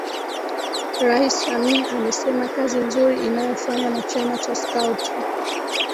Rais Samia amesema kazi nzuri inayofanywa na Chama cha Skauti